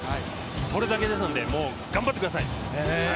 それだけですので頑張ってください。